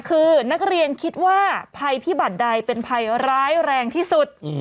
คือนักเรียนคิดว่าภัยพิบัติใดเป็นภัยร้ายแรงที่สุด